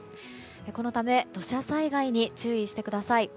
このため土砂災害に注意してください。